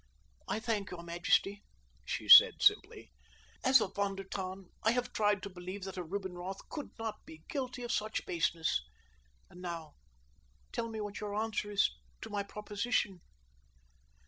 "I thank your majesty," she said simply. "As a Von der Tann, I have tried to believe that a Rubinroth could not be guilty of such baseness. And now, tell me what your answer is to my proposition."